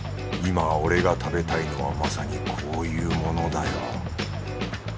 今俺が食べたいのはまさにこういうものだよ。